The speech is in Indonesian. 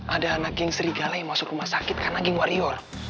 ada anak geng serigala yang masuk rumah sakit karena geng warrior